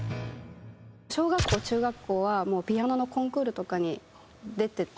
小学校中学校はもうピアノのコンクールとかに出てて。